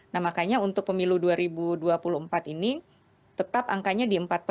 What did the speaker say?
nah makanya untuk pemilu dua ribu dua puluh empat ini tetap angkanya di empat lima